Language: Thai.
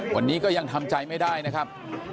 วันนี้ก็ยังทำใจไม่ได้นะครับ